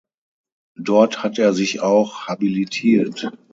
Dort hat er sich auch habilitiert.